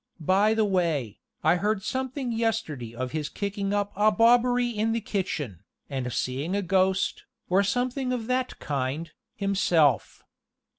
By the way, I heard something yesterday of his kicking up a bobbery in the kitchen, and seeing a ghost, or something of that kind, himself.